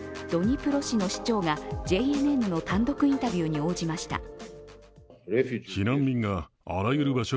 ドニプロ市の市長がＪＮＮの単独インタビューに応じました。